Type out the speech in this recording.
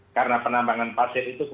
karena penambangan pasir itu